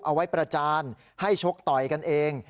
ประจานให้ชกต่อยกันเอง